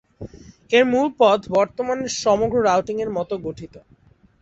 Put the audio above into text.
এর মূল পথ বর্তমানের সমগ্র রাউটিং এর মতো গঠিত।